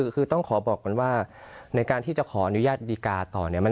คือต้องขอบอกก่อนว่าในการที่จะขออนุญาตดีการ์ต่อเนี่ย